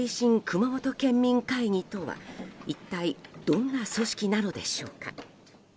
熊本県民会議とは一体どんな組織なのでしょうか。